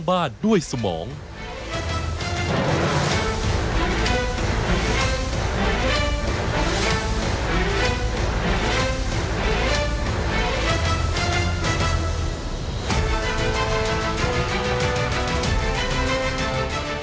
ชูเวทตีแสงหน้า